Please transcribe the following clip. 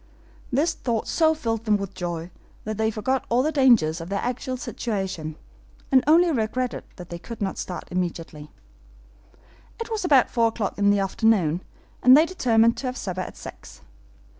This thought so filled them with joy that they forgot all the dangers of their actual situation, and only regretted that they could not start immediately. It was about four o'clock in the afternoon, and they determined to have supper at six.